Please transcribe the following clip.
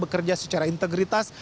kerja secara integritas